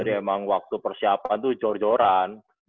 jadi emang waktu persiapan tuh jor joran